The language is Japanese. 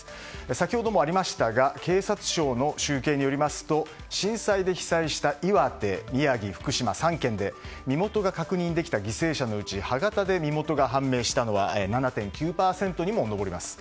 先ほどもありましたが警察庁の集計によりますと震災で被災した岩手、宮城、福島の３県で身元が確認できた犠牲者のうち歯型で身元が判明したのは７．９％にも上ります。